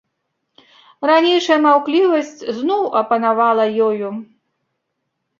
Ранейшая маўклівасць зноў апанавала ёю.